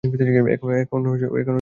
এখন আমরা কী করব?